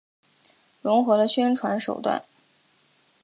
融合了宣传手段。